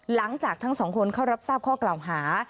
หลังจากทั้งสองคนเข้ารับทราบข้อกล่าวหา